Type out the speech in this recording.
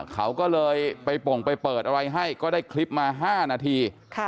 เขาก็เลยไปป่งไปเปิดอะไรให้ก็ได้คลิปมา๕นาที